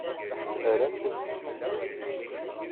Rrant-asent-tt-id.